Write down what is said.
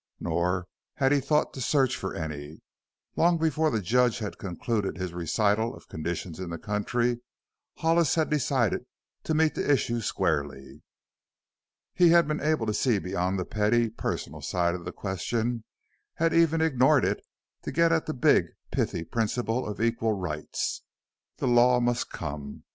Nor had he thought to search for any. Long before the judge had concluded his recital of conditions in the county Hollis had decided to meet the issue squarely. He had been able to see beyond the petty, personal side of the question; had even ignored it to get at the big, pithy principle of equal rights. The Law must come.